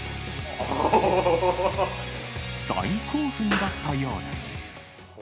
大興奮だったようです。